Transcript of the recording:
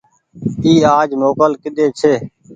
اي آج موڪل ڪيۮي ڇي۔